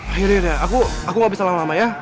akhirnya aku gak bisa lama lama ya